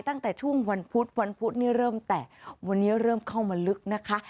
ตั้งแต่ช่วงวันพุธวันพุธนี่เริ่มแตะวันนี้เริ่มเข้ามาลึกนะคะ